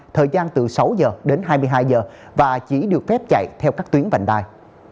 thời gian từ sáu giờ đến hai mươi hai giờ và chỉ được phép chạy theo các tuyến vành đai